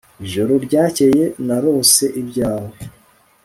ijoro ryakeye narose ibyawe